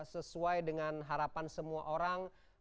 sesuai dengan harapan semua orang